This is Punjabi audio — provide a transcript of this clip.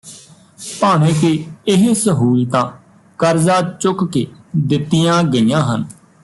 ਭਾਵੇਂ ਕਿ ਇਹ ਸਹੂਲਤਾਂ ਕਰਜ਼ਾ ਚੁੱਕ ਕੇ ਦਿੱਤੀਆਂ ਗਈਆਂ ਹਨ